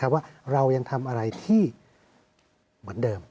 ว่าเรายังทำอะไรที่เหมือนเดิม